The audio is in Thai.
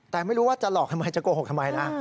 แต่ไม่รู้ว่าจะหลอกทำไมจะโกหกทำไมนะ